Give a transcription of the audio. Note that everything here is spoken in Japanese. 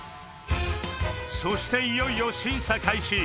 そしていよいよ審査開始